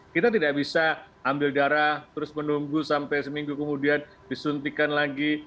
kita tidak bisa ambil darah terus menunggu sampai seminggu kemudian disuntikan lagi